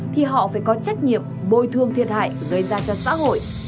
thì họ phải có trách nhiệm bồi thương thiệt hại gây ra cho xã hội